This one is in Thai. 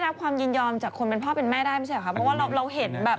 เราเห็นข่าวมาตลอด